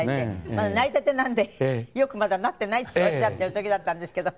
まだなりたてなんでよく「まだなってない」っておっしゃっている時だったんですけど。